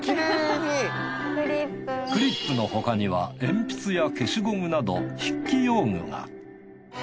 クリップの他には鉛筆や消しゴムなど筆記用具が。